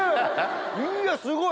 いやすごい！